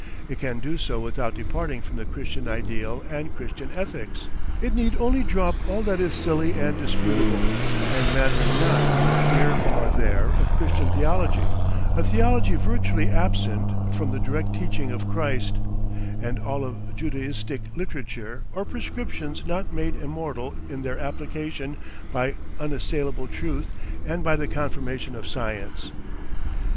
It can do so without departing from the Christian ideal and Christian ethics. It need only drop all that is silly and disputable, and 'mattering not neither here nor there,' of Christian theology a theology virtually absent from the direct teaching of Christ and all of Judaistic literature or prescriptions not made immortal in their application by unassailable truth and by the confirmation of science.